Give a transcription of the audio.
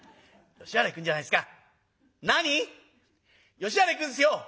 「吉原行くんすよ！」。